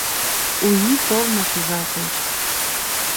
У ий толмо шижалтеш.